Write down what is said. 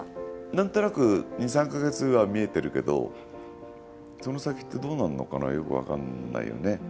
なんとなく２３か月後は見えてるけどその先ってどうなんのかなよく分かんないよね。